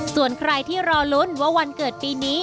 ส่วนใครที่รอลุ้นว่าวันเกิดปีนี้